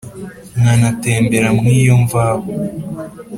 nkanatembera mu iyo mvaho